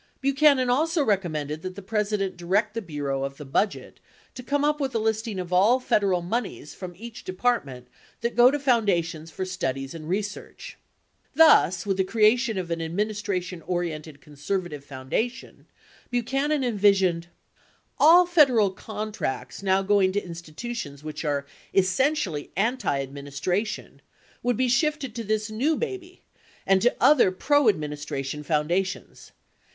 74 Buchanan also recommended that the President direct the Bureau of the Budget "to come up with a listing of all Federal moneys from each department that go to foundations for studies and research." Thus, with the crea tion of an administration oriented conservative foundation, Buchanan envisioned : All Federal contracts now going to institutions which are essentially antiadministration would be shifted to this new baby and to other proadministration foundations.